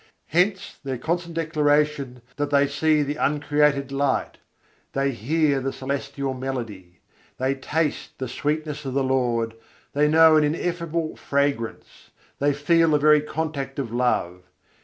Hence their constant declaration that they see the uncreated light, they hear the celestial melody, they taste the sweetness of the Lord, they know an ineffable fragrance, they feel the very contact of love.